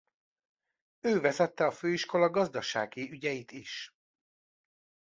Ő vezette a főiskola gazdasági ügyeit is.